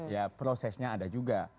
ya prosesnya ada juga